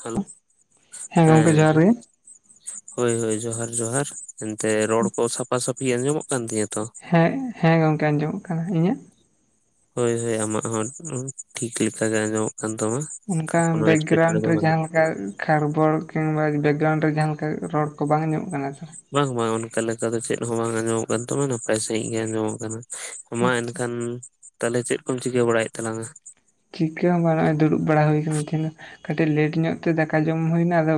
Hello ᱜᱚᱝᱠᱮ ᱦᱮᱸ ᱡᱚᱦᱟᱨ ᱜᱮ ᱦᱳᱭ ᱦᱳᱭ ᱡᱚᱦᱟᱨ ᱡᱚᱦᱟᱨ ᱮᱱᱛᱮ ᱨᱚᱲ ᱠᱚ ᱥᱟᱯᱟ ᱥᱟᱹᱯᱷᱤ ᱟᱸᱡᱚᱢᱚᱜ ᱠᱟᱱ ᱛᱤᱧᱟ ᱛᱚ ᱾ ᱦᱮᱸ ᱦᱮᱸ ᱜᱚᱝᱠᱮ ᱟᱸᱡᱚᱢᱚᱜ ᱠᱟᱱᱟ ᱤᱧᱟᱹᱜ ᱾ ᱦᱳᱭ ᱦᱳᱭ ᱟᱢᱟᱜ ᱦᱚᱸ ᱴᱷᱤᱠ ᱞᱮᱠᱟ ᱜᱮ ᱟᱸᱡᱚᱢᱚᱜ ᱠᱟᱱ ᱛᱟᱢᱟ᱾ ᱚᱱᱠᱟ ᱠᱳᱱᱳ ᱮᱴᱠᱮᱴᱚᱬᱮ ᱵᱮᱠᱜᱨᱟᱣᱩᱱᱰ ᱫᱚ ᱨᱮ ᱵᱟᱹᱱᱩᱜ ᱡᱟᱦᱟᱸ ᱞᱮᱠᱟ ᱾ ᱠᱷᱟᱨᱵᱚᱞ ᱠᱤᱝᱵᱟ ᱵᱮᱠᱜᱨᱟᱣᱩᱱᱰ ᱨᱮ ᱡᱟᱦᱟᱸ ᱞᱮᱠᱟ ᱨᱚᱲ ᱠᱚ ᱵᱟᱝ ᱧᱟᱢᱚᱜ ᱠᱟᱱᱟ ᱵᱟᱝ ᱵᱟᱝ ᱚᱱᱠᱟ ᱞᱮᱠᱟ ᱫᱚ ᱪᱮᱫ ᱦᱚᱸ ᱵᱟᱝ ᱟᱸᱡᱚᱢᱚᱜ ᱠᱟᱱ ᱛᱟᱢᱟ ᱱᱟᱯᱟᱭ ᱥᱟᱹᱦᱤᱡ ᱜᱮ ᱟᱸᱡᱚᱢᱚᱜ ᱠᱟᱱᱟ ᱢᱟ ᱟᱪᱪᱷᱟ ᱮᱱᱠᱷᱟᱱ ᱛᱟᱦᱞᱮ ᱪᱮᱫ ᱠᱚᱢ ᱪᱤᱠᱟᱹ ᱵᱟᱲᱟᱭᱮᱫ ᱛᱟᱞᱟᱝᱟ ᱪᱤᱠᱟᱹ ᱦᱚᱸ ᱵᱟᱝ ᱱᱚᱜ-ᱚᱭ ᱫᱩᱲᱩᱵ ᱵᱟᱲᱟ ᱦᱩᱭ ᱠᱟᱱ ᱛᱤᱧᱟ ᱠᱟᱹᱴᱤᱡ ᱞᱮᱴ ᱧᱚᱜ ᱛᱮ ᱫᱟᱠᱟ ᱡᱚᱢ ᱦᱩᱭᱱᱟ ᱟᱫᱚ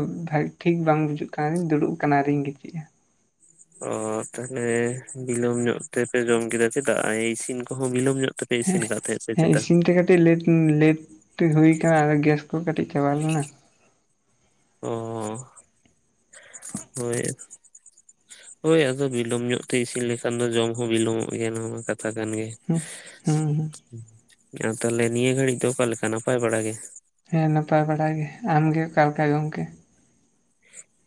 ᱴᱷᱤᱠ ᱵᱟᱝ ᱵᱩᱡᱩᱜ ᱠᱟᱱ ᱯᱫᱩᱲᱩᱵ ᱠᱟᱱᱟ ᱟᱨᱤᱧ ᱜᱤᱛᱤᱡᱼᱟ ᱚ ᱛᱟᱦᱞᱮ ᱵᱤᱞᱚᱢ ᱧᱚᱜ ᱛᱮᱯᱮ ᱡᱚᱢ ᱠᱮᱫᱟ ᱪᱮᱫᱟᱜ ᱤᱥᱤᱱ ᱠᱚᱦᱚᱸ ᱵᱤᱞᱚᱢ ᱧᱚᱜ ᱛᱮᱯᱮ ᱯᱮ ᱤᱥᱤᱱ ᱟᱠᱟᱫ ᱛᱟᱦᱮᱸᱫ ᱥᱮ ᱪᱮᱛᱟ ᱴᱤᱜ ᱞᱮᱴ ᱞᱮᱴ ᱦᱩᱭ ᱠᱟᱱᱟ ᱟᱫᱚ ᱜᱮᱥ ᱠᱚ ᱠᱟᱹᱴᱤᱡ ᱪᱟᱵᱟ ᱞᱮᱱᱟ ᱚ ᱦᱳᱭ ᱦᱳᱭ ᱟᱫᱚ ᱵᱤᱞᱚᱢ ᱧᱚᱜ ᱛᱮ ᱤᱥᱤᱱ ᱞᱮᱠᱷᱟᱱ ᱫᱚ ᱡᱚᱢ ᱦᱚᱸ ᱵᱤᱞᱚᱢᱚᱜ ᱜᱮᱭᱟ ᱱᱚᱣᱟ ᱢᱟ ᱠᱟᱛᱷᱟ ᱠᱟᱱ ᱜᱮᱭᱟ᱾ ᱦᱩᱸ ᱦᱩᱸ ᱟ ᱛᱟᱦᱞᱮ ᱱᱤᱭᱟᱹ ᱜᱷᱟᱹᱲᱤᱡ ᱫᱚ ᱚᱠᱟᱞᱮ ᱞᱮᱠᱟ ᱱᱟᱯᱟᱭ ᱵᱟᱲᱟ ᱜᱮ ᱦᱮᱸ ᱱᱟᱯᱟᱭ ᱵᱟᱲᱟ ᱜᱮ ᱟᱢᱜᱮ ᱚᱠᱟ ᱞᱮᱠᱟ ᱜᱚᱝᱠᱮ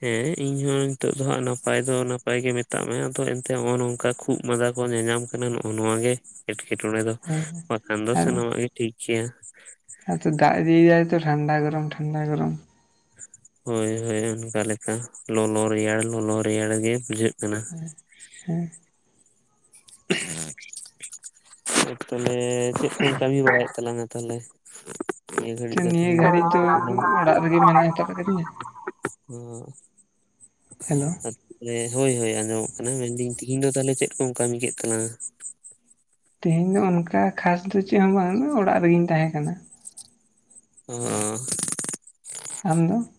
ᱦᱮᱸ ᱤᱧ ᱦᱚᱸ ᱱᱤᱛᱚᱜ ᱫᱚ ᱦᱟᱸᱜ ᱱᱟᱯᱟᱭ ᱫᱚ ᱱᱟᱯᱟᱭ ᱜᱮ ᱢᱮᱛᱟᱜ ᱢᱮ ᱟᱫᱚ ᱮᱱᱛᱮ ᱱᱚᱜ-ᱚᱭ ᱱᱚᱝᱠᱟ ᱠᱷᱩᱜ ᱢᱟᱫᱟ ᱠᱚ ᱧᱮᱸᱧᱟᱢ ᱠᱟᱱᱟ ᱱᱚᱜᱼᱚᱭ ᱱᱚᱣᱟ ᱜᱮ ᱮᱸᱴᱠᱮᱴᱚᱬᱮ ᱫᱚ ᱦᱮᱸ ᱵᱟᱠᱷᱟᱱ ᱫᱚ ᱥᱟᱱᱟᱢᱟᱜ ᱜᱮ ᱴᱷᱤᱠ ᱜᱮᱭᱟ ᱟᱨ ᱛᱚ ᱫᱟᱜ ᱫᱤᱭ ᱫᱟᱭ ᱛᱚ ᱴᱷᱟᱱᱰᱟ ᱜᱚᱨᱚᱢ ᱴᱷᱟᱱᱰᱟ ᱜᱚᱨᱚᱢ ᱦᱳᱭ ᱦᱳᱭ ᱚᱱᱠᱟ ᱞᱮᱠᱟ ᱞᱚᱞᱚ ᱨᱮᱭᱟᱲ ᱞᱚᱞᱚ ᱨᱮᱭᱟᱲ ᱜᱮ ᱵᱩᱡᱷᱟᱹᱜ ᱠᱟᱱᱟ ᱦᱮᱸ ᱛᱟᱦᱞᱮ ᱪᱮᱫ ᱠᱚᱢ ᱠᱟᱹᱢᱤ ᱵᱟᱲᱟᱭᱮᱫ ᱛᱟᱞᱟᱝ-ᱟ ᱛᱟᱦᱞᱮ [inaudible] ᱱᱤᱭᱟᱹ ᱜᱷᱟᱹᱲᱤᱡ ᱫᱚ ᱚᱲᱟᱜ ᱨᱮᱜᱮ ᱢᱮᱱᱟᱜ ᱦᱟᱛᱟᱲ ᱟᱠᱟᱫᱤᱧᱟ᱾ ᱦᱚᱸ ᱦᱮᱞᱳ ᱦᱳᱭ ᱦᱳᱭ ᱟᱸᱡᱚᱢᱚᱜ ᱠᱟᱱᱟ ᱢᱮᱱᱫᱟᱹᱧ ᱛᱤᱦᱤᱧ ᱫᱚ ᱛᱟᱦᱞᱮ ᱪᱮᱫ ᱠᱚᱢ ᱠᱟᱹᱢᱤ ᱠᱮᱫ ᱛᱟᱞᱟᱝ-ᱟ? ᱛᱮᱦᱮᱧ ᱫᱚ ᱚᱱᱠᱟ ᱠᱷᱟᱥ ᱫᱚ ᱪᱮᱫ ᱦᱚᱸ ᱵᱟᱝ ᱚᱲᱟᱜ ᱨᱮᱜᱮᱧ ᱛᱟᱦᱮᱸ ᱠᱟᱱᱟ ᱚᱸ ᱟᱢ ᱫᱚ?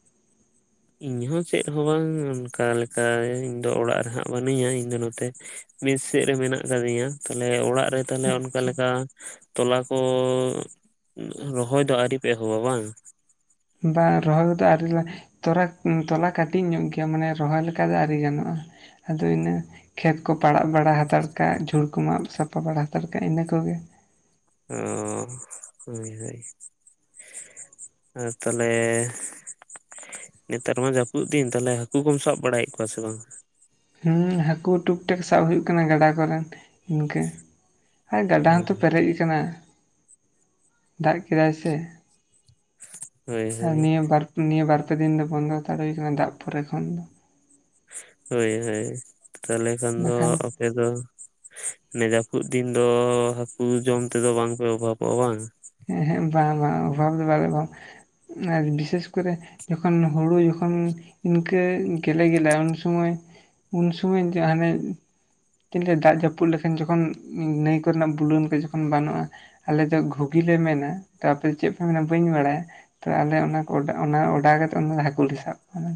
ᱤᱧ ᱦᱚᱸ ᱪᱮᱫ ᱦᱚᱸ ᱵᱟᱝ ᱚᱱᱠᱟ ᱞᱮᱠᱟ ᱤᱧ ᱫᱚ ᱚᱲᱟᱜ ᱨᱮᱦᱟᱸᱜ ᱵᱟᱹᱱᱩᱧᱟ ᱤᱧ ᱫᱚ ᱱᱚᱛᱮ ᱢᱮᱹᱥ ᱥᱮᱫ ᱨᱮ ᱢᱮᱱᱟᱜ ᱟᱠᱟᱫᱤᱧᱟ ᱛᱟᱞᱦᱮ ᱚᱲᱟᱜ ᱨᱮ ᱛᱟᱦᱚᱞᱮ ᱚᱱᱠᱟ ᱟᱪᱪᱷᱟ ᱞᱮᱠᱟ ᱛᱚᱞᱟ ᱠᱚ ᱨᱚᱦᱚᱭ ᱫᱚ ᱟᱹᱣᱨᱤ ᱯᱮ ᱮᱦᱚᱵᱟ ᱵᱟᱝ? ᱵᱟᱝ, ᱨᱚᱦᱚᱭ ᱠᱚᱫᱚ ᱟᱨᱤ ᱞᱟ ᱛᱚᱨᱟ ᱛᱚᱞᱟ ᱠᱟᱹᱴᱤᱡ ᱧᱚᱜ ᱜᱮᱭᱟ ᱢᱟᱱᱮ ᱨᱚᱦᱚᱭ ᱞᱮᱠᱟ ᱫᱚ ᱟᱹᱣᱨᱤ ᱜᱟᱱᱚᱜᱼᱟ᱾ ᱟᱫᱚ ᱤᱱᱟᱹ ᱠᱷᱮᱛ ᱠᱚ ᱯᱟᱲᱟᱜ ᱵᱟᱲᱟ ᱦᱟᱛᱟᱲ ᱠᱟᱜ ᱡᱷᱩᱲ ᱠᱚ ᱢᱟᱜ ᱥᱟᱯᱟ ᱵᱟᱲᱟ ᱦᱟᱛᱟᱲ ᱠᱟᱜᱼᱟ ᱤᱱᱟᱹ ᱠᱚᱜᱮ ᱚ ᱦᱳᱭ ᱦᱳᱭ ᱟᱨ ᱛᱟᱦᱞᱮ ᱱᱮᱛᱟᱨ ᱢᱟ ᱡᱟᱹᱯᱩᱫ ᱫᱤᱱ ᱛᱟᱞᱦᱮ ᱦᱟᱹᱠᱩ ᱠᱚᱢ ᱥᱟᱵ ᱵᱟᱲᱟᱭᱮᱫ ᱠᱚᱣᱟ ᱥᱮ ᱵᱟᱝ? ᱦᱮᱸ ᱦᱟᱹᱠᱩ ᱴᱩᱠ ᱴᱟᱠ ᱥᱟᱵ ᱦᱩᱭᱩᱜ ᱠᱟᱱᱟ ᱜᱟᱰᱟ ᱠᱚᱨᱮᱱ᱾ ᱤᱱᱠᱟᱹ ᱟᱨ ᱜᱟᱰᱟ ᱦᱚᱸᱛᱚ ᱯᱮᱨᱮᱡ ᱟᱠᱟᱱᱟ᱾ ᱫᱟᱜ ᱠᱮᱫᱟᱭ ᱥᱮ ᱦᱳᱭ ᱟᱨ ᱦᱳᱭ ᱱᱤᱭᱟᱹ ᱵᱟᱨ ᱱᱤᱭᱟᱹ ᱵᱟᱨ ᱯᱮ ᱫᱤᱱ ᱫᱚ ᱵᱚᱱᱫᱚ ᱦᱟᱛᱟᱲ ᱦᱩᱭ ᱟᱠᱟᱱᱟ ᱫᱟᱜ ᱯᱚᱨᱮ ᱠᱷᱚᱱ ᱫᱚ᱾ ᱦᱳᱭ ᱦᱳᱭ ᱛᱟᱦᱚᱞᱮ ᱠᱷᱟᱱ ᱫᱚ ᱵᱟᱠᱷᱟᱱ ᱟᱯᱮ ᱫᱚ ᱚᱱᱮ ᱡᱟᱹᱯᱩᱫ ᱫᱤᱱ ᱫᱚ ᱦᱟᱹᱠᱩ ᱡᱚᱢ ᱛᱮᱫᱚ ᱵᱟᱝᱯᱮ ᱚᱵᱷᱟᱵᱚᱜᱼᱟ ᱵᱟᱝ? ᱦᱮᱸ ᱦᱮᱸ ᱵᱟᱝ ᱵᱟᱝ ᱚᱵᱷᱟᱵᱽ ᱫᱚ ᱵᱟᱞᱮ ᱚᱵᱷᱟᱵᱽ ᱟᱨ ᱵᱤᱥᱮᱥ ᱠᱚᱨᱮ ᱡᱚᱠᱷᱚᱱ ᱦᱩᱲᱩ ᱡᱚᱠᱷᱚᱱ ᱤᱱᱠᱟᱹ ᱜᱮᱞᱮ ᱜᱮᱞᱮᱜ-ᱟ ᱩᱱ ᱥᱩᱢᱚᱭ ᱩᱱ ᱥᱚᱢᱚᱭ ᱡᱟ ᱦᱟᱱᱮ [unintelligible] ᱫᱟᱜ ᱡᱟᱹᱯᱩᱫ ᱞᱮᱠᱷᱟᱱ ᱡᱚᱠᱷᱚᱱ ᱱᱟᱹᱭ ᱠᱚᱨᱮᱱᱟᱜ ᱵᱩᱞᱟᱹᱱ ᱠᱚ ᱡᱚᱠᱷᱚᱱ ᱵᱟᱱᱚᱜᱼᱟ ᱟᱞᱮ ᱫᱚ ᱜᱷᱩ [unintelligible] ᱞᱮ ᱢᱮᱱᱟ ᱟᱯᱮ ᱫᱚ ᱪᱮᱫ ᱯᱮ ᱢᱮᱱᱟ ᱵᱟᱹᱧ ᱵᱟᱲᱟᱭᱟ ᱛᱚ ᱟᱞᱮ ᱚᱱᱟ ᱚᱱᱟ ᱚᱰᱟᱣ ᱠᱟᱛᱮᱫ ᱚᱱᱟ ᱫᱚ ᱦᱟᱹᱠᱩ ᱞᱮ ᱥᱟᱵ ᱠᱚᱣᱟ᱾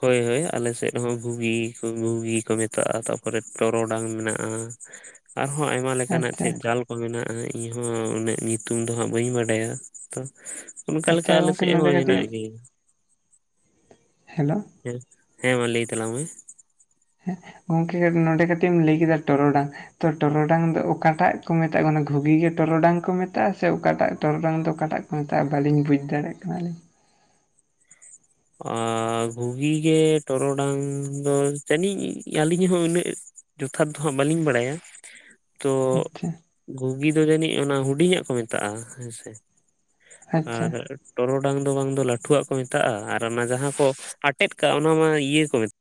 ᱦᱳᱭ ᱦᱳᱭ ᱟᱞᱮᱥᱮᱫ ᱦᱚᱸ ᱜᱷᱩᱜᱤ ᱠᱚ ᱜᱷᱩᱜᱤ ᱠᱚ ᱢᱮᱛᱟᱜᱼᱟ ᱛᱟᱯᱚᱨᱮ ᱴᱚᱨᱚᱰᱟᱝ ᱢᱮᱱᱟᱜᱼᱟ ᱟᱨᱦᱚᱸ ᱟᱭᱢᱟ ᱞᱮᱠᱟᱱᱟᱜ ᱟᱪᱪᱷᱟ ᱪᱮᱫ ᱡᱟᱞ ᱠᱚ ᱢᱮᱱᱟᱜᱼᱟ ᱤᱧᱦᱚᱸ ᱩᱱᱟᱹᱜ ᱧᱩᱛᱩᱢ ᱫᱚ ᱦᱟᱸᱜ ᱵᱟᱹᱧ ᱵᱟᱰᱟᱭᱟ ᱛᱚ ᱚᱱᱠᱟ ᱞᱮᱠᱟ ᱟᱪᱪᱷᱟ ᱟᱞᱮ ᱜᱚᱝᱠᱮ ᱥᱮᱫ ᱱᱚᱰᱮ ᱦᱚᱸ ᱠᱟᱹᱴᱤᱡ ᱦᱮᱱᱟᱜ ᱜᱮᱭᱟ᱾ ᱦᱮᱞᱳ ᱦᱮᱸ ᱦᱮᱸ ᱢᱟ ᱞᱟᱹᱭ ᱛᱟᱞᱟᱝ ᱢᱮ ᱦᱮᱸ ᱜᱚᱝᱠᱮ ᱱᱚᱰᱮ ᱠᱟᱹᱴᱤᱡ ᱮᱢ ᱞᱟᱹᱭ ᱠᱮᱫᱟ ᱴᱚᱨᱚᱰᱟᱝ ᱛᱚ ᱴᱚᱨᱚᱰᱟᱝ ᱫᱚ ᱚᱠᱟᱴᱟᱜ ᱠᱚ ᱢᱮᱛᱟᱜᱼᱟ? ᱚᱱᱟ ᱜᱷᱩᱜᱤ ᱜᱮ ᱴᱚᱨᱚᱰᱟᱝ ᱠᱚ ᱢᱮᱛᱟᱜᱼᱟ? ᱥᱮ ᱚᱠᱟᱴᱟᱜ ᱴᱚᱨᱚᱰᱟᱝ ᱫᱚ ᱚᱠᱟᱴᱟᱜ? [unintelligible] ᱵᱟᱹᱞᱤᱧ ᱵᱩᱡᱽ ᱫᱟᱲᱮᱭᱟᱜ ᱠᱟᱱᱟᱞᱤᱧ᱾ ᱟᱨ ᱜᱷᱩᱜᱤ ᱜᱮ ᱴᱚᱨᱚᱰᱟᱝ ᱫᱚ ᱡᱟᱹᱱᱤᱡ ᱟᱹᱞᱤᱧ ᱦᱚᱸ ᱩᱱᱟᱹᱜ ᱡᱚᱛᱷᱟᱛ ᱫᱚ ᱦᱟᱸᱜ ᱵᱟᱹᱞᱤᱧ ᱵᱟᱲᱟᱭᱟ, ᱛᱚ, ᱟᱪᱪᱷᱟ ᱜᱷᱩᱜᱤ ᱫᱚ ᱡᱟᱹᱱᱤᱡ ᱚᱱᱟ ᱦᱩᱰᱤᱧᱟᱜ ᱠᱚ ᱢᱮᱛᱟᱜᱼᱟ ᱦᱮᱸᱥᱮ ᱟᱪᱪᱷᱟ ᱟᱨ ᱴᱚᱨᱚᱰᱟᱝ ᱫᱚ ᱵᱟᱝ ᱫᱚ ᱞᱟᱹᱴᱩᱣᱟᱜ ᱠᱚ ᱢᱮᱛᱟᱜᱼᱟ ᱚᱱᱟ ᱡᱟᱦᱟᱸ ᱠᱚ ᱟᱴᱮᱫ ᱠᱟᱜᱼᱟ ᱚᱱᱟ ᱢᱟ ᱤᱭᱟᱹ ᱠᱚ ᱢᱮᱛᱟᱜ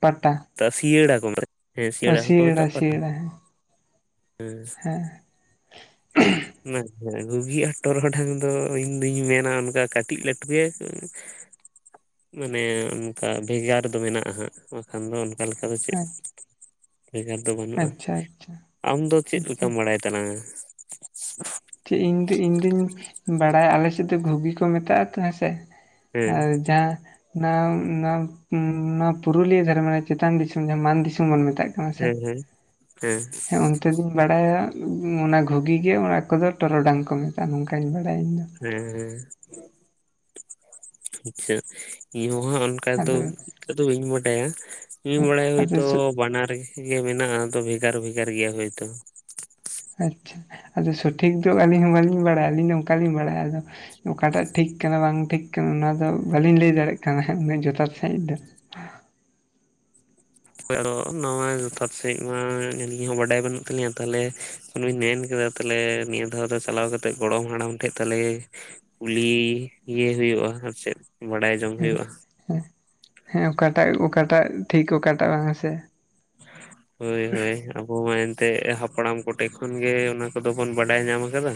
ᱯᱟᱴᱟ ᱥᱤᱭᱟᱹᱲᱟ ᱠᱚ ᱢᱮᱛᱟᱜᱼᱟ ᱦᱮᱸ ᱚ ᱥᱤᱭᱟᱹᱲᱟ ᱦᱚᱸᱠᱚ ᱢᱮᱛᱟᱜᱼᱟ ᱯᱟᱴᱟ ᱥᱤᱭᱟᱹᱲᱟ ᱦᱮᱸ ᱜᱷᱩᱜᱤ ᱟᱨ ᱴᱚᱨᱚᱰᱟᱝ ᱫᱚ ᱤᱧᱫᱩᱧ ᱢᱮᱱᱟ ᱚᱱᱠᱟ ᱠᱟᱹᱴᱤᱡ ᱞᱟᱹᱴᱩᱜᱮ ᱢᱟᱱᱮ ᱚᱱᱠᱟ ᱵᱷᱮᱜᱟᱨ ᱫᱚ ᱢᱮᱱᱟᱜᱼᱟ ᱦᱟᱸᱜ ᱵᱟᱠᱷᱟᱱ ᱫᱚ ᱚᱱᱠᱟ ᱞᱮᱠᱟ ᱫᱚ ᱪᱮᱫ ᱦᱮᱸ ᱵᱷᱮᱜᱟᱨ ᱫᱚ ᱵᱟᱹᱱᱩᱜᱼᱟ᱾ ᱟᱪᱪᱷᱟ ᱟᱪᱪᱷᱟ ᱟᱢ ᱫᱚ ᱪᱮᱫ ᱟᱪᱪᱷᱟ ᱞᱮᱠᱟᱢ ᱵᱟᱲᱟᱭ ᱛᱟᱞᱟᱝᱟ? ᱪᱮᱫ ᱤᱧᱫᱚ ᱤᱧᱫᱩᱧ ᱵᱟᱲᱟᱭᱟ ᱟᱞᱮ ᱮᱥᱮᱫ ᱫᱚ ᱜᱷᱩᱜᱤ ᱠᱚ ᱢᱮᱛᱟᱜᱼᱟ ᱛᱚ ᱦᱮᱸᱥᱮ ᱦᱮᱸ ᱟᱨ ᱡᱟᱦᱟᱸ ᱱᱟ ᱱᱟ ᱱᱚᱣᱟ ᱯᱩᱨᱩᱞᱤᱭᱟᱹ ᱫᱷᱟᱨᱮ ᱢᱟᱱᱮ ᱪᱮᱛᱟᱱ ᱫᱤᱥᱚᱢ ᱡᱟᱦᱟᱸ ᱢᱟᱱ ᱫᱤᱥᱚᱢ ᱵᱚᱱ ᱢᱮᱛᱟᱜ ᱛᱟᱜ ᱠᱟᱱᱟ ᱥᱮ ᱦᱮᱸ ᱦᱮᱸ ᱦᱮᱸ ᱚᱱᱛᱮ ᱫᱩᱧ ᱵᱟᱲᱟᱭᱟ ᱚᱱᱟ ᱜᱷᱩᱜᱤ ᱜᱮ ᱚᱱᱟ ᱠᱚᱫᱚ ᱴᱚᱨᱚᱰᱟᱝ ᱠᱚ ᱢᱮᱛᱟᱜᱼᱟ ᱱᱚᱝᱠᱟᱧ ᱵᱟᱲᱟᱭᱟ ᱤᱧ ᱫᱚ᱾ ᱦᱮᱸᱻᱦᱮᱸ ᱟᱪᱪᱷᱟ ᱤᱧ ᱦᱚᱸ ᱚᱱᱠᱟ ᱫᱚ ᱟᱫᱚ ᱫᱚ ᱵᱟᱹᱧ ᱵᱟᱰᱟᱭᱟ, ᱤᱧ ᱵᱟᱲᱟᱭᱟ ᱟᱫᱚ ᱦᱚᱭᱛᱚ ᱵᱟᱱᱟᱨ ᱴᱷᱤᱠ ᱜᱮ ᱢᱮᱱᱟᱜᱼᱟ ᱛᱚ ᱵᱷᱮᱜᱟᱨ ᱼ ᱵᱷᱮᱜᱟᱨ ᱜᱮᱭᱟ ᱦᱚᱭᱛᱚ᱾ ᱟᱪᱪᱷᱟ ᱟᱫᱚ ᱥᱚᱴᱷᱤᱠ ᱫᱚ ᱟᱹᱞᱤᱧ ᱦᱚᱸ ᱵᱟᱹᱞᱤᱧ ᱵᱟᱲᱟᱭᱟ, ᱟᱹᱞᱤᱧ ᱫᱚ ᱚᱱᱠᱟᱞᱤᱧ ᱵᱟᱲᱟᱭᱟ ᱟᱫᱚ᱾ ᱚᱠᱟᱴᱟᱜ ᱴᱷᱤᱠ ᱠᱟᱱᱟ ᱵᱟᱝ ᱴᱷᱤᱠ ᱠᱟᱱᱟ ᱚᱱᱟ ᱫᱚ ᱵᱟᱹᱞᱤᱧ ᱞᱟᱹᱭ ᱫᱟᱲᱮᱭᱟᱜ ᱠᱟᱱᱟ ᱩᱱᱟᱹᱜ ᱡᱚᱛᱷᱟᱛ ᱥᱟᱺᱦᱤᱡ ᱫᱚ᱾ ᱦᱚᱭ ᱟᱫᱚ ᱱᱟᱣᱟ ᱡᱚᱛᱷᱟᱛ ᱥᱟᱺᱦᱤᱡ ᱢᱟ ᱟᱹᱞᱤᱧ ᱦᱚᱸ ᱵᱟᱰᱟᱭ ᱵᱟᱹᱱᱩᱜ ᱛᱟᱹᱞᱤᱧᱟ ᱛᱟᱦᱚᱞᱮ ᱢᱮᱱ ᱠᱮᱫᱟ ᱛᱟᱦᱮ ᱱᱤᱭᱟᱹ ᱫᱷᱟᱣ ᱫᱚ ᱪᱟᱞᱟᱣ ᱠᱟᱛᱮᱜ ᱜᱚᱲᱚᱢ ᱦᱟᱲᱟᱢ ᱴᱷᱮᱡ ᱛᱟᱦᱞᱮ ᱠᱩᱞᱤ ᱮ ᱦᱩᱭᱩᱜᱼᱟ ᱟᱨ ᱪᱮᱫ ᱵᱟᱲᱟᱭ ᱡᱚᱝ ᱦᱮᱸ ᱦᱩᱭᱩᱜᱼᱟ᱾ ᱦᱮᱸ ᱦᱮᱸ ᱚᱠᱟᱴᱟᱜ ᱚᱠᱟᱴᱟᱜ ᱴᱷᱤᱠ ᱚᱠᱟᱴᱟᱜ ᱵᱟᱝ ᱼ ᱟ ᱦᱮᱥᱮ [unintelligible] ᱦᱳᱭ ᱦᱳᱭ ᱟᱵᱚ ᱢᱟ ᱮᱱᱛᱮᱫ ᱦᱟᱯᱲᱟᱢ ᱠᱚᱴᱷᱮᱡ ᱠᱷᱚᱱᱜᱮ ᱚᱱᱟ ᱠᱚᱫᱚ ᱵᱚᱱ ᱵᱟᱰᱟᱭ ᱧᱟᱢ ᱟᱠᱟᱫᱟ᱾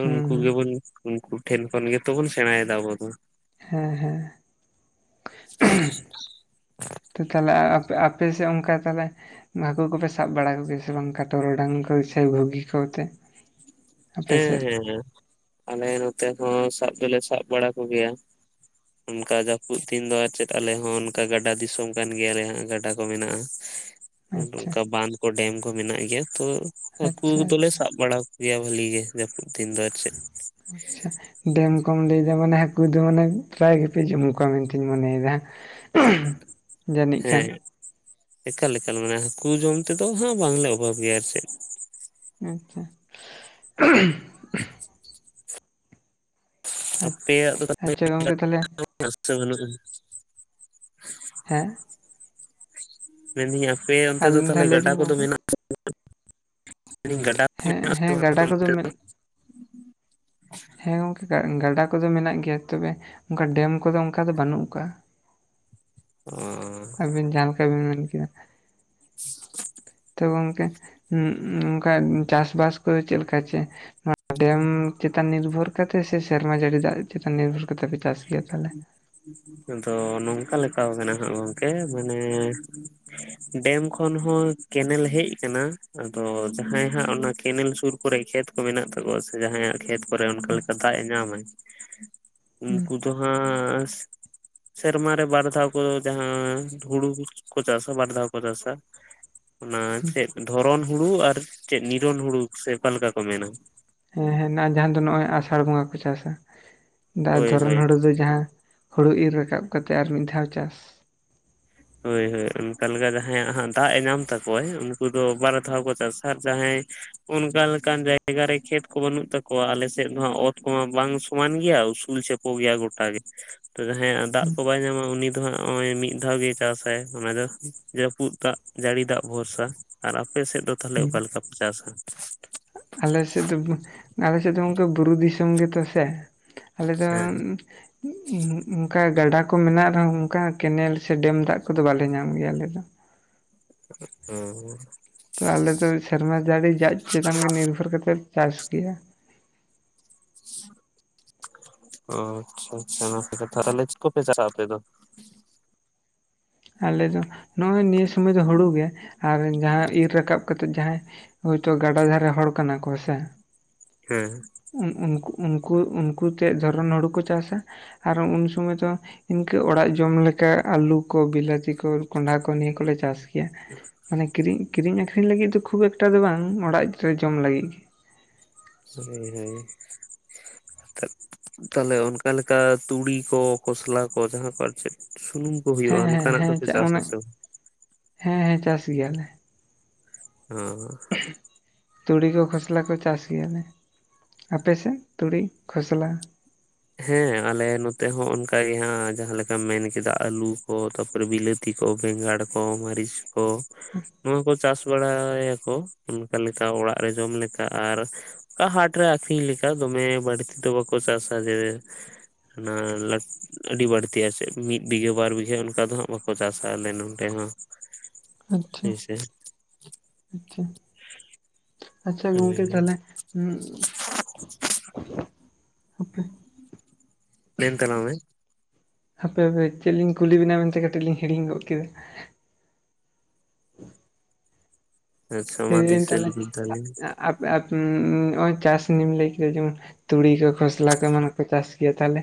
ᱦᱩᱸ ᱩᱱᱠᱩ ᱦᱩᱸ ᱜᱮᱵᱚᱱ ᱩᱱᱠᱩ ᱴᱷᱮᱱ ᱠᱷᱚᱱ ᱜᱮᱛᱚ ᱵᱚᱱ ᱥᱮᱬᱟᱭᱮᱫᱟ ᱟᱵᱚ ᱫᱚ᱾ ᱦᱮᱸᱻᱦᱮᱸ ᱛᱚ ᱛᱟᱦᱞᱮ ᱟᱯᱮᱥᱮᱫ ᱚᱱᱠᱟ ᱛᱟᱦᱞᱮ ᱦᱟᱹᱠᱩ ᱠᱚᱯᱮ ᱥᱟᱵ ᱵᱟᱲᱟ ᱠᱚᱜᱮᱭᱟ ᱥᱮ ᱵᱟᱝ ᱴᱚᱨᱚᱰᱟᱝ ᱠᱚ ᱥᱮ ᱵᱷᱩᱜᱤ ᱠᱚ ᱟᱛᱮ? ᱦᱮᱸᱻᱦᱮᱸᱻᱦᱮᱸ ᱟᱞᱮ ᱱᱚᱛᱮ ᱦᱚᱸ ᱥᱟᱵ ᱫᱚᱞᱮ ᱥᱟᱵ ᱵᱟᱲᱟ ᱠᱚᱜᱮᱭᱟ᱾ ᱚᱱᱠᱟ ᱡᱟᱹᱯᱩᱫ ᱫᱤᱱ ᱫᱚ ᱟᱨ ᱪᱮᱫ ᱟᱞᱮ ᱦᱚᱸ ᱚᱱᱠᱟ ᱜᱟᱰᱟ ᱫᱤᱥᱚᱢ ᱠᱟᱱ ᱜᱮᱭᱟᱞᱮ ᱦᱟᱸᱜ ᱜᱟᱰᱟ ᱠᱚ ᱢᱮᱱᱟᱜᱼᱟ᱾ ᱟᱨ ᱟᱪᱪᱷᱟ ᱚᱱᱠᱟ ᱵᱟᱸᱫᱷ ᱠᱚ ᱰᱮᱢ ᱠᱚ ᱢᱮᱱᱟᱜ ᱜᱮᱭᱟ, ᱛᱚ ᱦᱟᱹᱠᱩ ᱟᱪᱪᱷᱟ ᱫᱚᱞᱮ ᱟᱪᱪᱷᱟ ᱥᱟᱵ ᱵᱟᱲᱟ ᱠᱚᱜᱮᱭᱟ᱾ ᱵᱷᱟᱹᱞᱤ ᱜᱮ ᱡᱟᱹᱯᱩᱫ ᱫᱤᱱ ᱫᱚ ᱟᱨ ᱪᱮᱫ᱾ ᱟᱪᱪᱷᱟ ᱰᱮᱢ ᱠᱚᱢ ᱞᱟᱹᱭ ᱫᱟ ᱢᱟᱱᱮ ᱦᱟᱹᱠᱩ ᱫᱚ ᱢᱟᱱᱮ ᱯᱨᱟᱭ ᱜᱮᱯᱮ ᱡᱚᱢ ᱠᱚᱣᱟ ᱢᱮᱱᱛᱤᱧ ᱢᱚᱱᱮᱭᱮᱫᱟ᱾ ᱡᱟᱹᱱᱤᱡ ᱦᱮᱸ ᱠᱷᱟᱱ ᱮᱠᱟᱞᱼᱮᱠᱟᱞ ᱢᱟᱱᱮ ᱦᱟᱹᱠᱩ ᱡᱚᱢ ᱛᱮᱫᱚ ᱦᱟᱸ ᱵᱟᱝᱞᱮ ᱚᱵᱷᱟᱵᱽ ᱜᱮᱭᱟ ᱟᱨ ᱪᱮᱫ᱾ ᱟᱪᱪᱷᱟ ᱟᱯᱮᱭᱟᱜ ᱫᱚ ᱟᱪᱪᱷᱟ ᱜᱚᱝᱠᱮ ᱛᱟᱦᱚᱞᱮ [unintelligible] ᱵᱟᱹᱱᱩᱜᱼᱟ ᱦᱮᱸ ᱢᱮᱱᱫᱟᱹᱧ ᱟᱯᱮ ᱚᱱᱛᱮ ᱟᱨ ᱫᱚ ᱢᱤᱫ ᱫᱷᱟᱣ ᱛᱟᱦᱚᱞᱮ ᱞᱟᱹᱭ ᱜᱟᱰᱟ ᱵᱤᱱ ᱠᱚᱫᱚ ᱜᱚᱝᱠᱮ ᱢᱮᱱᱟᱜ [unintelligible] ᱢᱮᱱᱫᱟᱹᱧ ᱜᱟᱰᱟ ᱠᱚ ᱦᱮᱸ ᱢᱮᱱᱟᱜ ᱥᱮ ᱦᱮᱸ ᱜᱟᱰᱟ ᱵᱟᱝ ᱠᱚᱫᱚ ᱢᱮᱫ ᱦᱮᱸ ᱜᱚᱝᱠᱮ ᱜᱟᱰᱟ ᱠᱚᱫᱚ ᱢᱮᱱᱟᱜ ᱜᱮᱭᱟ, ᱛᱚᱵᱮ ᱚᱱᱠᱟ ᱰᱮᱢ ᱠᱚᱫᱚ ᱚᱱᱠᱟ ᱫᱚ ᱵᱟᱹᱱᱩᱜ ᱠᱟᱜᱼᱟ᱾ [inaudible] ᱚ ᱟᱹᱵᱤᱱ ᱡᱟᱦᱟᱸ ᱞᱮᱠᱟ ᱵᱤᱱ ᱢᱮᱱ ᱠᱮᱫᱟ ᱛᱚ [inaudible] ᱜᱚᱝᱠᱮ ᱚᱱᱠᱟ ᱪᱟᱥᱵᱟᱥ ᱠᱚᱫᱚ ᱪᱮᱫ ᱞᱮᱠᱟ ᱪᱮᱫ ᱰᱮᱢ ᱪᱤᱛ ᱛᱟᱱ ᱱᱤᱨᱵᱷᱚᱨ ᱠᱟᱛᱮ ᱥᱮ ᱥᱮᱨᱢᱟ ᱡᱟᱹᱲᱤ ᱫᱟᱜ ᱪᱮᱛᱟᱱ ᱱᱤᱨᱵᱷᱚᱨ ᱠᱟᱛᱮ ᱯᱮ ᱪᱟᱥ ᱜᱮᱭᱟ ᱛᱟᱦᱞᱮ? ᱟᱫᱚ ᱱᱚᱝᱠᱟ ᱞᱮᱠᱟᱣ ᱠᱟᱱᱟ ᱦᱟᱜ ᱜᱚᱢᱠᱮ ᱢᱟᱱᱮ ᱰᱮᱢ ᱠᱷᱚᱱ ᱦᱚᱸ ᱠᱮᱱᱮᱞ ᱦᱮᱡ ᱠᱟᱱᱟ, ᱟᱫᱚ ᱡᱟᱦᱟᱸᱭ ᱦᱟᱸᱜ ᱚᱱᱟ ᱠᱮᱱᱮᱞ ᱥᱩᱨ ᱠᱚᱨᱮ ᱠᱷᱮᱛ ᱠᱚ ᱢᱮᱱᱟᱜ ᱛᱟᱠᱚᱣᱟ ᱥᱮ ᱡᱟᱦᱟᱸᱭᱟᱜ ᱠᱷᱮᱛ ᱠᱚᱨᱮ ᱚᱱᱠᱟ ᱦᱩᱸ ᱞᱮᱠᱟ ᱫᱟᱜ ᱮ ᱧᱟᱢᱟᱭ ᱛᱚ ᱦᱟᱸ [unintelligible] ᱥᱮᱨᱢᱟ ᱨᱮ ᱵᱟᱨ ᱫᱷᱟᱣ ᱠᱚ ᱡᱟᱦᱟᱸ ᱦᱩᱲᱩ ᱠᱚ ᱪᱟᱥᱟ ᱵᱟᱨ ᱫᱷᱟᱣ ᱠᱚ ᱪᱟᱥᱟ᱾ ᱚᱱᱟ ᱦᱩᱸ ᱪᱮᱫ ᱫᱷᱚᱨᱚᱱ ᱦᱩᱲᱩ ᱟᱨ ᱪᱮᱫ ᱱᱤᱨᱚᱱ ᱦᱩᱲᱩ ᱥᱮ ᱚᱠᱟᱮᱠᱟ ᱠᱚ ᱢᱮᱱᱟ, ᱦᱮᱸ ᱦᱮᱱᱟᱜᱼᱟ ᱡᱟᱦᱟᱸ ᱫᱚ ᱱᱚᱜᱼᱚᱸᱭ ᱟᱥᱟᱲ ᱵᱚᱸᱜᱟ ᱠᱚ ᱪᱟᱥᱟ᱾ ᱫᱟᱜ ᱦᱳᱭ ᱫᱷᱚᱨᱚᱱ ᱦᱳᱭ ᱦᱩᱲᱩ ᱫᱚ ᱡᱟᱦᱟᱸ ᱦᱩᱲᱩ ᱤᱨ ᱨᱟᱠᱟᱵ ᱠᱟᱛᱮ ᱟᱨ ᱢᱤᱫ ᱫᱷᱟᱣ ᱪᱟᱥ᱾ ᱦᱳᱭ ᱦᱳᱭ ᱚᱱᱠᱟ ᱞᱮᱠᱟ ᱡᱟᱦᱟᱸᱭ ᱭᱟᱜ ᱦᱟᱸᱜ ᱫᱟᱜ ᱮ ᱧᱟᱢ ᱛᱟᱠᱚᱣᱟᱭ ᱩᱱᱠᱩ ᱫᱚ ᱵᱟᱨ ᱫᱷᱟᱣ ᱠᱚ ᱪᱟᱥᱟ ᱟᱨ ᱡᱟᱦᱟᱸᱭ ᱚᱱᱠᱟ ᱞᱮᱠᱟᱱ ᱡᱟᱭᱜᱟᱨᱮ ᱠᱷᱮᱛ ᱠᱚ ᱵᱟᱹᱱᱩᱜ ᱛᱟᱠᱚᱣᱟ ᱟᱞᱮᱥᱮᱫ ᱦᱚ ᱚᱛ ᱠᱚᱢᱟ ᱵᱟᱝ ᱥᱚᱢᱟᱱ ᱜᱮᱭᱟ ᱩᱥᱩᱞ ᱪᱷᱮ ᱠᱚ ᱜᱮᱭᱟ ᱜᱚᱴᱟ ᱜᱮ ᱛᱚ ᱡᱟᱦᱟᱸᱭᱟᱜ ᱫᱟᱜ ᱦᱩᱸ ᱠᱚ ᱵᱟᱭ ᱧᱟᱢᱟ ᱩᱱᱤ ᱫᱚ ᱦᱟᱸᱜ ᱚᱸᱭ ᱢᱤᱫ ᱫᱷᱟᱣ ᱜᱮ ᱪᱟᱥᱟᱭ ᱚᱱᱟ ᱫᱚ ᱡᱟᱹᱯᱩᱫ ᱫᱟᱜ ᱡᱟᱹᱲᱤ ᱫᱟᱜ ᱵᱷᱚᱨᱥᱟ ᱟᱨ ᱟᱯᱮ ᱥᱮᱫ ᱫᱚ ᱛᱟᱦᱞᱮ ᱚᱠᱟ ᱦᱩᱸ ᱞᱮᱠᱟ? ᱪᱟᱥ ᱠᱷ ᱟᱞᱮ ᱥᱮᱫ ᱫᱚ ᱟᱞᱮ ᱥᱮᱫ ᱫᱚ ᱚᱱᱠᱟ ᱵᱩᱨᱩ ᱫᱤᱥᱚᱢ ᱜᱮᱛᱚ ᱥᱮ ᱾ ᱟᱞᱮ ᱫᱚ ᱦᱮᱸ ᱚᱱᱠᱟ ᱜᱟᱰᱟ ᱠᱚ ᱢᱮᱱᱟᱜ ᱨᱮᱦᱚᱸ ᱚᱱᱠᱟ ᱠᱮᱱᱮᱞ ᱥᱮ ᱰᱮᱢ ᱫᱟᱜ ᱠᱚᱫᱚ ᱵᱟᱞᱮ ᱧᱟᱢ ᱜᱮᱭᱟ ᱟᱞᱮ ᱫᱚ ᱦᱚᱸ ᱟᱞᱮᱫᱚ ᱥᱮᱨᱢᱟ ᱫᱟᱹᱲᱮ ᱡᱟᱜ ᱪᱮᱛᱟᱱ ᱜᱮ ᱱᱤᱨᱵᱷᱚᱨ ᱠᱟᱛᱮ ᱞᱮ ᱪᱟᱥ ᱜᱮᱭᱟ ᱚ ᱟᱪᱪᱷᱟ ᱟᱪᱪᱷᱟ ᱚᱱᱟᱯᱮ ᱛᱟᱦᱞᱮᱪ ᱠᱚᱯᱮ ᱪᱟᱞᱟᱜᱼᱟ ᱟᱯᱮ ᱫᱚ ᱟᱞᱮ ᱫᱚ ᱱᱚᱜᱼᱚᱭ ᱱᱤᱭᱟᱹ ᱥᱚᱢᱚᱭ ᱫᱚ ᱦᱩᱲᱩ ᱜᱮ ᱟᱨ ᱡᱟᱦᱟᱸ ᱤᱨ ᱨᱟᱠᱟᱵ ᱠᱟᱛᱮᱜ ᱡᱟᱦᱟᱸᱭ ᱦᱳᱭᱛᱚ ᱜᱟᱰᱟ ᱫᱷᱟᱨᱮ ᱦᱚᱲ ᱠᱟᱱᱟ ᱠᱚ ᱥᱮ ᱦᱮᱸ ᱩᱱ ᱩᱱᱠᱩ ᱩᱱᱠᱩ ᱩᱱᱠᱩᱛᱮ ᱡᱷᱚᱨᱚᱱ ᱦᱩᱲᱩ ᱠᱚ ᱪᱟᱥᱟ ᱟᱨ ᱦᱚᱸ ᱩᱱ ᱥᱚᱢᱚᱭ ᱫᱚ ᱤᱱᱠᱟᱹ ᱚᱲᱟᱜ ᱡᱚᱢ ᱞᱮᱠᱟ ᱟᱹᱞᱩ ᱠᱚ ᱵᱤᱞᱟᱹᱛᱤ ᱠᱚ ᱠᱚᱸᱰᱷᱟ ᱠᱚ ᱱᱤᱭᱟᱹ ᱠᱚᱞᱮ ᱪᱟᱥ ᱜᱮᱭᱟ ᱾ ᱵ ᱢᱟᱱᱮ ᱠᱤᱨᱤᱧ ᱠᱤᱨᱤᱧ ᱟᱠᱷᱨᱤᱧ ᱞᱟᱹᱜᱤᱫ ᱫᱚ ᱠᱷᱩᱵ ᱮᱠᱴᱟ ᱫᱚ ᱵᱟᱝ ᱚᱲᱟᱜ ᱨᱮ ᱡᱚᱢ ᱞᱟᱹᱜᱤᱫ ᱜᱮ ᱦᱳᱭ ᱦᱳᱭ ᱛᱟᱦᱞᱮ ᱚᱱᱠᱟᱞᱮᱠᱟ ᱛᱩᱲᱤ ᱠᱚ ᱠᱷᱚᱥᱞᱟ ᱠᱚ ᱡᱟᱦᱟᱸ ᱠᱚ ᱟᱨ ᱪᱮᱫ ᱥᱩᱱᱩᱢ ᱠᱩ ᱦᱩᱭᱩᱜᱼᱟ ᱦᱮᱸ ᱚᱱᱠᱟᱱᱟᱜ ᱦᱮᱸ ᱫᱚᱯᱮ ᱦᱮᱸ ᱪᱟᱥ ᱚᱱᱮ ᱦᱟᱝ? ᱦᱮᱸ ᱦᱮᱸ ᱪᱟᱥ ᱜᱮᱭᱟᱞᱮ ᱾ ᱦᱩᱸ ᱛᱩᱲᱤ ᱠᱚ ᱠᱷᱚᱥᱞᱟ ᱠᱚ ᱪᱟᱥ ᱜᱮᱭᱟᱞᱮ ᱟᱯᱮᱥᱮᱫ ᱛᱩᱲᱤ ᱠᱷᱚᱥᱞᱟ ᱦᱮᱸ ᱟᱞᱮ ᱱᱚᱛᱮ ᱦᱚᱸ ᱚᱱᱠᱟᱜᱮ ᱦᱟᱸ ᱡᱟᱦᱟᱸᱮᱠᱟᱢ ᱢᱮᱱᱠᱮᱫᱟ ᱟᱞᱩ ᱠᱚ ᱛᱟᱯᱚᱨᱮ ᱵᱤᱞᱟᱹᱛᱤ ᱛᱤ ᱠᱚ ᱵᱮᱸᱜᱟᱲ ᱠᱚ ᱢᱟᱹᱨᱤᱪ ᱠᱚ ᱱᱚᱣᱟ ᱠᱚ ᱪᱟᱥ ᱵᱟᱲᱟᱭᱟᱠᱚ ᱚᱱᱠᱟ ᱞᱮᱠᱟ ᱚᱲᱟᱜ ᱨᱮ ᱡᱚᱢ ᱞᱮᱠᱟ ᱟᱨ ᱦᱟᱴᱨᱮ ᱟᱠᱷᱨᱤᱧ ᱞᱮᱠᱟ ᱫᱚᱢᱮ ᱵᱟᱹᱲᱛᱤ ᱫᱚ ᱵᱟᱠᱚ ᱪᱟᱥᱟ ᱡᱮ ᱚᱱᱟ ᱞᱟ ᱟᱹᱰᱤ ᱵᱟᱹᱲᱛᱤ ᱟᱨᱪᱮᱫ ᱢᱤᱫ ᱵᱤᱜᱷᱟᱹ ᱵᱟᱨ ᱵᱤᱜᱷᱟᱹ ᱚᱱᱠᱟ ᱫᱚ ᱦᱟᱸᱜ ᱵᱟᱠᱚ ᱪᱟᱥᱟ ᱟᱞᱮ ᱱᱚᱸᱰᱮ ᱦᱚᱸ ᱟᱪᱪᱷᱟ ᱦᱳᱭᱥᱮ ᱟᱪᱪᱷᱟ ᱟᱪᱪᱷᱟ ᱦᱳᱭ ᱜᱚᱢᱠᱮ ᱛᱟᱦᱞᱮ ᱦ ᱦᱟᱯᱮ ᱢᱮᱱ ᱛᱟᱞᱟᱝ ᱢᱮ ᱦᱟᱯᱮ ᱪᱮᱫ ᱞᱤᱧ ᱠᱩᱞᱤ ᱵᱮᱱᱟ ᱢᱮᱱᱛᱮ ᱠᱟᱹᱴᱤᱡ ᱞᱤᱧ ᱦᱤᱲᱤᱧ ᱜᱚᱜ ᱠᱮᱫᱟ ᱾ ᱟᱪᱪᱷᱟ ᱢᱟ ᱞᱟᱹᱭ ᱫᱟᱹᱧ ᱫᱤᱥᱟᱹ ᱛᱟᱦᱚᱞᱮ ᱞᱤᱵᱤᱱ ᱛᱟᱦᱟᱞᱮ ᱱᱚᱜᱼᱚᱭ ᱪᱟᱥ ᱱᱤᱭᱟᱹᱢ ᱞᱟᱹᱭ ᱠᱮᱫᱟ ᱡᱮᱢᱚᱱ ᱛᱩᱲᱤ ᱠᱚ ᱠᱷᱚᱥᱞᱟ ᱠᱚ ᱮᱢᱟᱱ ᱠᱚ ᱪᱟᱥ ᱜᱮᱭᱟ ᱛᱟᱦᱚᱞᱮ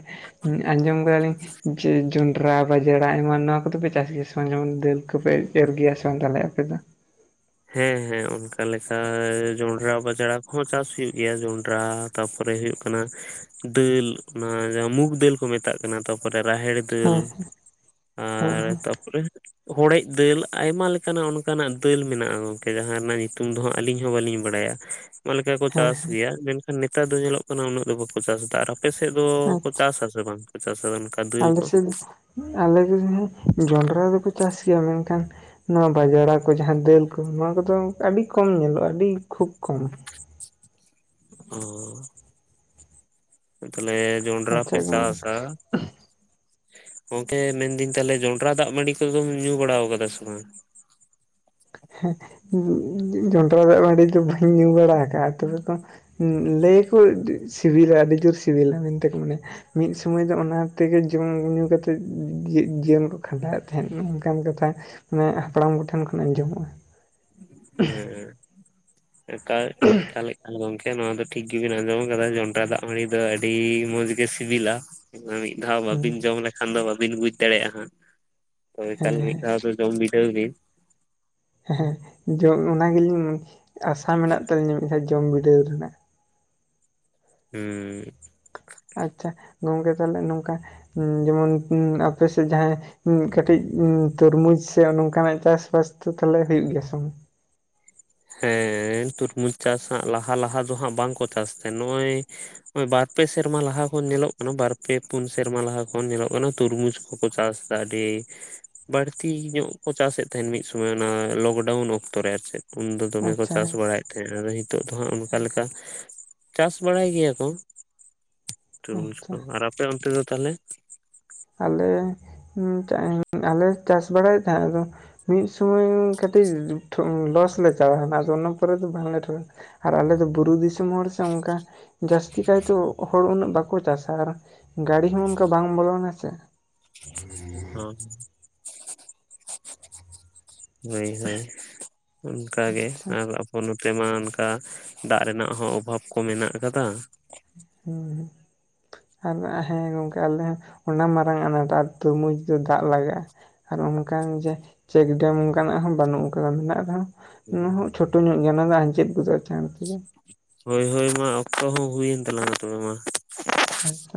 ᱟᱸᱡᱚᱢ ᱠᱟᱫᱟᱞᱤᱧ ᱡᱮ ᱡᱚᱱᱰᱨᱟ ᱵᱟᱡᱲᱟ ᱮᱢᱟᱱ ᱱᱚᱣᱟ ᱠᱚᱫᱚ ᱯᱮ ᱪᱟᱥ ᱜᱮᱭᱟ ᱥᱮ ᱵᱟᱝ ᱡᱮᱢᱚᱱ ᱫᱟᱹᱞ ᱠᱚᱯᱮ ᱮᱨ ᱜᱮᱭᱟ ᱥᱮ ᱵᱟᱝ ᱛᱟᱦᱞᱮ ᱟᱯᱮ ᱫᱚ? ᱦᱮᱸ ᱦᱮᱸ ᱚᱱᱠᱟ ᱞᱮᱠᱟ ᱡᱚᱱᱰᱨᱟ ᱵᱟᱡᱲᱟ ᱦᱚᱸ ᱪᱟᱥ ᱦᱩᱭᱩᱜ ᱜᱮᱭᱟ ᱡᱚᱱᱰᱨᱟ ᱛᱟᱯᱚᱨᱮ ᱦᱩᱭᱩᱜ ᱠᱟᱱᱟ ᱾ ᱫᱟᱹᱞ ᱚᱱᱟ ᱢᱩᱜᱽ ᱫᱟᱹᱞ ᱠᱚ ᱢᱮᱛᱟᱜ ᱠᱟᱱᱟ ᱨᱟᱦᱮᱲ ᱫᱟᱹᱞ ᱦᱮᱸ ᱦᱮᱸ ᱟᱨ ᱛᱟᱯᱚᱨᱮ ᱦᱚᱲᱮᱡ ᱫᱟᱹᱞ ᱟᱭᱢᱟ ᱞᱮᱠᱟᱱᱟᱜ ᱚᱱᱠᱟᱱᱟᱜ ᱫᱟᱹᱞ ᱢᱮᱱᱟᱜ-ᱟ ᱜᱚᱝᱠᱮ ᱡᱟᱦᱟᱸ ᱱᱟᱜ ᱧᱩᱛᱩᱢ ᱫᱚ ᱟᱹᱞᱤᱧ ᱦᱚᱸ ᱵᱟᱹᱞᱤᱧ ᱵᱟᱲᱟᱭᱟ ᱚᱱᱟ ᱞᱮᱠᱟ ᱠᱚ ᱦᱮᱸ ᱪᱟᱥ ᱦᱮᱸ ᱜᱮᱭᱟ ᱱᱮᱛᱟᱨ ᱫᱚ ᱧᱮᱞᱚᱜ ᱠᱟᱱᱟ ᱩᱱᱟᱹᱜ ᱫᱚ ᱵᱟᱠᱚ ᱪᱟᱥᱫᱟ ᱟᱨ ᱟᱯᱮ ᱥᱮᱫ ᱫᱚ ᱠᱚ ᱟᱪᱪᱷᱟ ᱪᱟᱥ ᱟᱥᱮ ᱵᱟᱝᱠᱚ ᱪᱟᱥ-ᱟ ᱫᱟᱹᱞ ᱠᱚ ᱟᱞᱮ ᱥᱮᱫ ᱫᱚ ᱡᱚᱱᱰᱨᱟ ᱫᱚᱠᱚ ᱪᱟᱥ ᱜᱮᱭᱟ ᱢᱮᱱᱠᱷᱟᱱ ᱱᱚᱣᱟ ᱵᱟᱡᱲᱟ ᱠᱚ ᱡᱟᱦᱟᱸ ᱫᱟᱹᱞ ᱠᱚ ᱱᱚᱣᱟ ᱠᱚᱫᱚ ᱟᱹᱰᱤ ᱠᱚᱢ ᱧᱮᱞᱚᱜᱼᱟ ᱟᱹᱰᱤ ᱠᱷᱩᱵ ᱠᱚᱢ ᱚ ᱛᱟᱞᱮ ᱡᱚᱰᱨᱟ ᱟᱪᱪᱷᱟ ᱯᱮ ᱜᱚᱝᱠᱮ ᱪᱟᱥ-ᱟ ᱜᱚᱢᱠᱮ ᱢᱮᱱᱫᱟᱹᱧ ᱛᱟᱦᱞᱮ ᱡᱚᱱᱰᱨᱟ ᱫᱟᱜ ᱢᱟᱰᱤ ᱠᱚᱫᱚᱢ ᱧᱩ ᱵᱟᱲᱟᱣ ᱠᱟᱫᱟ ᱥᱮ ᱵᱟᱝ ᱡᱚᱱᱰᱨᱟ ᱫᱟᱜ ᱵᱟᱺᱰᱤ ᱫᱚ ᱵᱟᱹᱧ ᱧᱩ ᱵᱟᱲᱟ ᱠᱟᱜᱼᱟ ᱛᱚᱵᱮ ᱠᱚ ᱞᱟᱹᱭᱟᱠᱚ ᱥᱤᱵᱤᱞᱟ ᱟᱹᱰᱤ ᱡᱳᱨ ᱥᱤᱵᱤᱞᱟ ᱢᱮᱱᱛᱮ ᱠᱚ ᱢᱤᱫ ᱥᱩᱢᱟᱹᱭ ᱫᱚ ᱚᱱᱟ ᱛᱮᱜᱮ ᱡᱚᱢ ᱧᱩ ᱠᱟᱛᱮᱫ ᱡᱤᱭᱚᱱ ᱠᱚ ᱠᱷᱟᱸᱰᱟᱣᱮᱫ ᱛᱟᱦᱮᱸᱫ ᱱᱚᱝᱠᱟᱱ ᱠᱟᱛᱷᱟ ᱢᱟᱱᱮ ᱦᱟᱯᱲᱟᱢ ᱠᱚᱴᱷᱮᱱ ᱠᱷᱚᱱ ᱟᱸᱡᱚᱢᱚᱜᱼᱟ᱾ ᱦᱮᱸ ᱠᱟ [unintelligible] ᱛᱟᱦᱞᱮ ᱠᱷᱟᱱ ᱜᱚᱢᱠᱮ ᱱᱚᱣᱟ ᱫᱚ ᱴᱷᱤᱠ ᱜᱤᱵᱤᱱ ᱟᱸᱡᱚᱢ ᱠᱟᱫᱟ ᱡᱚᱱᱰᱨᱟ ᱫᱟᱜ ᱢᱟᱲᱤ ᱫᱚ ᱟᱹᱰᱤ ᱢᱚᱸᱡᱽ ᱜᱮ ᱥᱤᱵᱤᱞᱟ᱾ ᱢᱤᱫ ᱫᱷᱟᱣ ᱵᱟᱹᱵᱤᱱ ᱦᱮᱸ ᱡᱚᱢ ᱞᱮᱠᱷᱟᱱ ᱫᱚ ᱵᱟᱵᱤᱱ ᱵᱩᱡᱽ ᱫᱟᱲᱮᱭᱟᱜᱼᱟ ᱦᱟᱸᱜ, ᱦᱳᱭ ᱮᱠᱟᱞ ᱦᱮᱸ ᱢᱤᱫᱷᱟᱣ ᱫᱚ ᱡᱚᱢ ᱵᱤᱰᱟᱹᱣ ᱵᱤᱱ᱾ ᱦᱮᱸ ᱡᱚᱢ ᱚᱱᱟ ᱜᱮᱞᱤᱧ ᱟᱥᱟ ᱢᱮᱱᱟᱜ ᱛᱟᱹᱞᱤᱧᱟ ᱢᱤᱫ ᱫᱷᱟᱣ ᱡᱚᱢ ᱵᱤᱰᱟᱹᱣ ᱨᱮᱱᱟᱜ᱾ ᱦᱩ ᱟᱪᱪᱷᱟ ᱜᱚᱢᱠᱮ ᱛᱟᱦᱞᱮ ᱱᱚᱝᱠᱟ ᱡᱮᱢᱚᱱ ᱟᱯᱮᱥᱮᱫ ᱡᱟᱦᱟᱸᱭ ᱠᱟᱹᱴᱤᱡ ᱛᱚᱨᱢᱩᱡᱽ ᱥᱮ ᱱᱚᱝᱠᱟᱱᱟᱜ ᱪᱟᱥᱵᱟᱥ ᱫᱚ ᱛᱟᱦᱞᱮ ᱦᱩᱭᱩᱜ ᱜᱮᱭᱟ ᱵᱟᱝ? ᱦᱮᱸ ᱛᱩᱨᱢᱩᱡᱽ ᱪᱟᱥ ᱦᱟᱸᱜ ᱞᱟᱦᱟ ᱞᱟᱦᱟ ᱫᱚ ᱦᱟᱸᱜ ᱵᱟᱝᱠᱚ ᱪᱟᱥ ᱛᱟᱦᱮᱸᱫ, ᱱᱚᱜᱼᱚᱭ ᱵᱟᱨ ᱯᱮ ᱥᱮᱨᱢᱟ ᱞᱟᱦᱟ ᱠᱷᱚᱱ ᱧᱮᱞᱚᱜ ᱠᱟᱱᱟ ᱵᱟᱨ ᱯᱮ ᱯᱩᱱ ᱥᱮᱨᱢᱟ ᱞᱟᱦᱟ ᱠᱷᱚᱱ ᱧᱮᱞᱚᱜ ᱠᱟᱱᱟ ᱛᱩᱨᱢᱩᱡᱽ ᱠᱚᱠᱚ ᱪᱟᱥ ᱫᱟ ᱟᱹᱰᱤ ᱵᱟᱹᱲᱛᱤ ᱧᱚᱜ ᱠᱚ ᱪᱟᱥᱮᱫ ᱛᱟᱦᱮᱸᱱ ᱢᱤᱫ ᱥᱩᱢᱟᱹᱭ ᱚᱱᱟ ᱞᱚᱠᱰᱟᱣᱩᱱ ᱚᱠᱛᱚ ᱨᱮ ᱟᱨ ᱪᱮᱫ ᱩᱱᱫᱚ ᱫᱚᱢᱮ ᱠᱚ ᱟᱪᱪᱷᱟ ᱪᱟᱥ ᱦᱮᱸ ᱵᱟᱲᱟᱭᱮᱫ ᱟᱫᱚ ᱦᱤᱛᱳᱜ ᱫᱚ ᱦᱟᱸᱜ ᱚᱱᱠᱟ ᱞᱮᱠᱟ ᱪᱟᱥ ᱵᱟᱲᱟᱭ ᱜᱮᱭᱟ ᱠᱚ ᱛᱩᱨᱢᱩᱡᱽ ᱟᱪᱪᱷᱟ ᱠᱚ᱾ ᱟᱨ ᱟᱯᱮ ᱚᱱᱛᱮ ᱫᱚ ᱛᱟᱦᱞᱮ? ᱟᱞᱮ ᱟᱞᱮ ᱪᱟᱥ ᱵᱟᱲᱟᱭᱮᱫ ᱛᱟᱦᱮᱸᱫ ᱟᱫᱚ ᱢᱤᱫ ᱥᱩᱢᱟᱹᱭ ᱠᱟᱹᱴᱤᱡ ᱞᱚᱥ ᱞᱮ ᱪᱟᱞᱟᱣᱮᱱᱟ ᱟᱫᱚ ᱚᱱᱟ ᱯᱚᱨᱮ ᱫᱚ ᱵᱟᱝᱞᱮ [unintelligible] ᱟᱨ ᱟᱞᱮ ᱫᱚ ᱵᱩᱨᱩ ᱫᱤᱥᱚᱢ ᱦᱚᱲ ᱥᱮ ᱚᱱᱠᱟ ᱡᱟᱹᱥᱛᱤ ᱠᱟᱭᱛᱮ ᱦᱚᱲ ᱩᱱᱟᱹᱜ ᱵᱟᱠᱚ ᱪᱟᱥ ᱟ ᱟᱨ ᱜᱟᱲᱤ ᱦᱚᱸ ᱚᱱᱠᱟ ᱵᱟᱝ ᱵᱚᱞᱚ ᱱᱟᱥᱮ᱾ ᱦᱚ ᱦᱳᱭ ᱦᱳᱭ ᱚᱱᱠᱟ ᱜᱮ ᱟᱪᱪᱷᱟ ᱟᱨ [unintelligible] ᱱᱚᱛᱮᱢᱟ ᱚᱱᱠᱟ ᱫᱟᱜ ᱨᱮᱱᱟᱜ ᱦᱚᱸ ᱚᱵᱷᱟᱵᱽ ᱠᱚ ᱢᱮᱱᱟᱜ ᱠᱟᱫᱟ᱾ ᱦᱩᱸ᱾ ᱟᱨ ᱦᱮᱸ ᱜᱚᱢᱠᱮ ᱟᱞᱮ ᱚᱱᱟ ᱢᱟᱨᱟᱝ ᱟᱱᱟᱴ ᱟᱨ ᱛᱩᱨᱢᱩᱡᱽ ᱫᱚ ᱫᱟᱜ ᱞᱟᱜᱟᱜᱼᱟ, ᱟᱨ ᱚᱱᱠᱟᱱ ᱡᱮ ᱪᱮᱠ ᱰᱮᱢ ᱚᱱᱠᱟᱱᱟᱜ ᱦᱚᱸ ᱵᱟᱹᱱᱩᱜ ᱠᱟᱫᱟ ᱢᱮᱱᱟᱜ ᱨᱮᱦᱚᱸ ᱚᱱᱟ ᱦᱚᱸ ᱪᱷᱳᱴᱳ ᱧᱚᱜ ᱜᱮᱭᱟ ᱚᱱᱟ ᱫᱚ ᱟᱸᱡᱮᱫ ᱜᱚᱫᱚᱜᱼᱟ ᱪᱟᱬ ᱛᱮᱜᱮ᱾ ᱦᱳᱭ ᱦᱳᱭ ᱢᱟ ᱚᱠᱛᱚ ᱦᱚᱸ ᱦᱩᱭᱮᱱ ᱛᱟᱞᱟᱝ-ᱟ ᱛᱚᱵᱮ ᱢᱟ ᱦᱮᱸᱛᱚ᱾